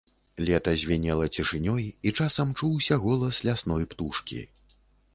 Лета звінела цішынёй, і часам чуўся голас лясной птушкі.